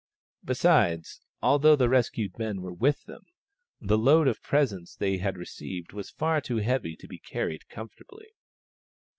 Besides, although the rescued men were with them, the load of pre sents they had received was far too heavy to be carried comfortably.